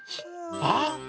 あっ！